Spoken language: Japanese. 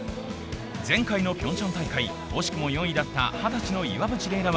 前回のピョンチャン大会惜しくも４位だった二十歳の岩渕麗